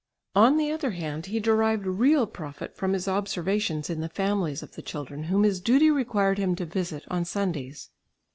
On the other hand he derived real profit from his observations in the families of the children, whom his duty required him to visit on Sundays.